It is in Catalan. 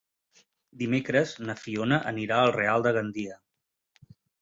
Dimecres na Fiona anirà al Real de Gandia.